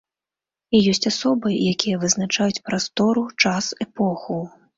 І ёсць асобы, якія вызначаюць прастору, час, эпоху.